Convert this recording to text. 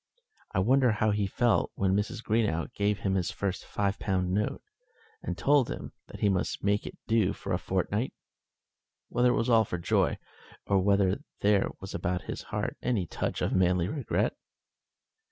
I wonder how he felt when Mrs. Greenow gave him his first five pound note, and told him that he must make it do for a fortnight? whether it was all joy, or whether there was about his heart any touch of manly regret?